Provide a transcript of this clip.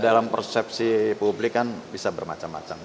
dalam persepsi publik kan bisa bermacam macam